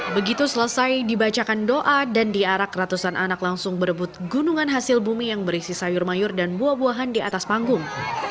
begitu selesai dibacakan doa dan diarak ratusan anak langsung berebut gunungan hasil bumi yang berisi sayur mayur dan buah buahan di atas panggung